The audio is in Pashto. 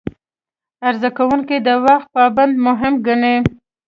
عرضه کوونکي د وخت پابندي مهم ګڼي.